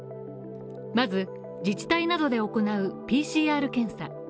まず、自治体などで行うＰＣＲ検査。